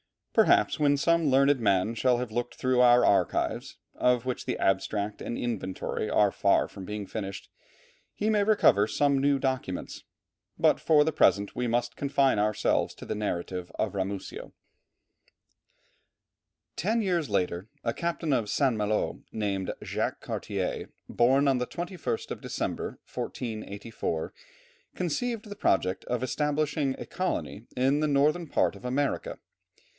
Perhaps when some learned man shall have looked through our archives (of which the abstract and inventory are far from being finished), he may recover some new documents; but for the present we must confine ourselves to the narrative of Ramusio. [Illustration: Jacques Cartier. From an old print.] Ten years later a captain of St. Malo, named Jacques Cartier, born on the 21st of December, 1484, conceived the project of establishing a colony in the northern part of America.